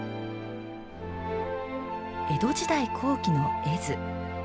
江戸時代後期の絵図。